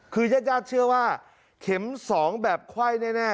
คือยักษ์ยากเชื่อว่าเข็มสองแบบไขว้แน่